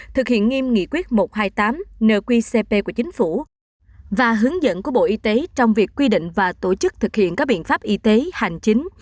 thực hiện nghiêm nghị quyết một trăm hai mươi tám nqcp của chính phủ và hướng dẫn của bộ y tế trong việc quy định và tổ chức thực hiện các biện pháp y tế hành chính